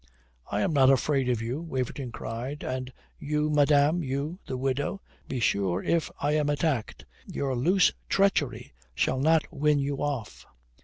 "I am not afraid of you," Waverton cried. "And you, madame, you, the widow be sure if I am attacked, your loose treachery shall not win you off.